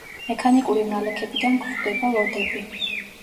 მექანიკური ნალექებიდან გვხვდება ლოდები.